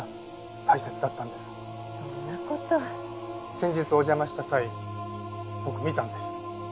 先日お邪魔した際僕見たんです。